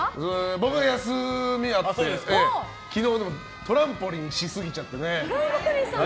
僕は休みがあって昨日トランポリンし過ぎちゃってね。